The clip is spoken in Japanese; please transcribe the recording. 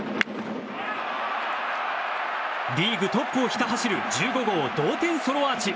リーグトップをひた走る１５号、同点ソロアーチ。